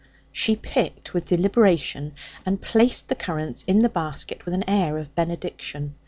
She picked with deliberation, and placed the currants in the basket with an air of benediction.